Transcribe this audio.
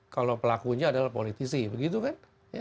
kalau pelakunya adalah politisi begitu kan